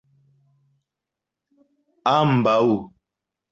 ambaŭ